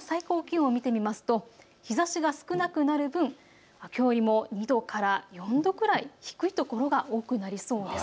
最高気温を見てみますと日ざしが少なくなる分、きょうよりも２度から４度くらい低いところが多くなりそうです。